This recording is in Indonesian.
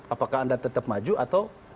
apakah anda tetap maju atau